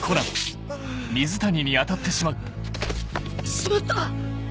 しまった！